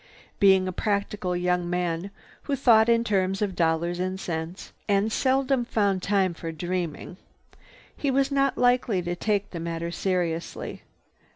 Being a practical young man who thought in terms of dollars and cents, and seldom found time for dreaming, he was not likely to take the matter seriously.